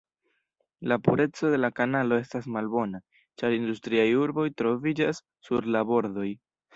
La pureco de la kanalo estas malbona, ĉar industriaj urboj troviĝas sur la bordoj.